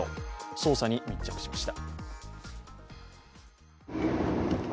捜査に密着しました。